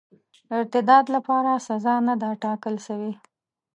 ارتداد لپاره سزا نه ده ټاکله سوې.